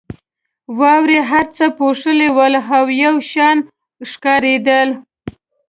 واورو هر څه پوښلي ول او یو شان ښکارېدل.